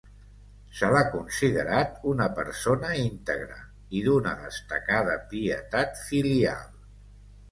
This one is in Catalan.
Se l'ha considerat una persona íntegra i d'una destacada pietat filial.